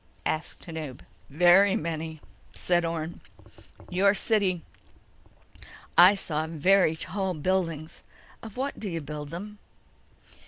asked Tanub. "Very many," said Orne. "Your city—I saw very tall buildings. Of what do you build them?"